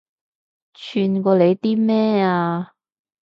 串過你啲咩啊